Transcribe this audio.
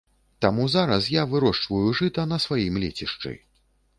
Таму зараз я вырошчваю жыта на сваім лецішчы.